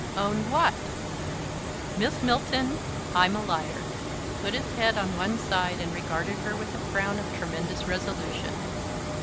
"Own what?" "Miss Milton I'm a liar." He put his head on one side and regarded her with a frown of tremendous resolution.